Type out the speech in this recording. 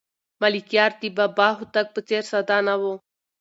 ملکیار د بابا هوتک په څېر ساده نه و.